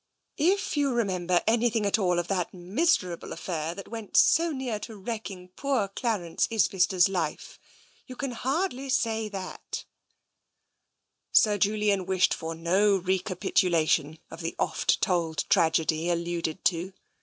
"If you remember anything at all of that miserable affair that went so near to wrecking poor Clarence Isbister's life, you can hardly say that/' Sir Julian wished for no recapitulation of the oft told tragedy alluded to.